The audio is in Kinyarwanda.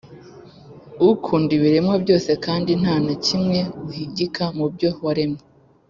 Ukunda ibiremwa byose kandi nta na kimwe uhigika mu byo waremye,